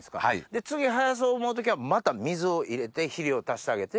で次生やそう思う時はまた水を入れて肥料足してあげて？